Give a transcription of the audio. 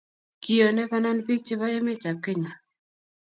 Kiyonei panan piik chebo emet ab Kenya